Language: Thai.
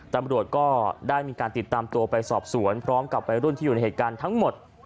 ตำรวจก็ได้มีการติดตามตัวไปสอบสวนพร้อมกับวัยรุ่นที่อยู่ในเหตุการณ์ทั้งหมด